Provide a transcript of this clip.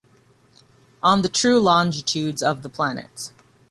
On the true longitudes of the planets.